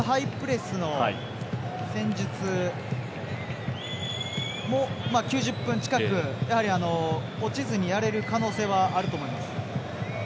アメリカのハイプレスの戦術も９０分近く落ちずにやれる可能性はあると思います。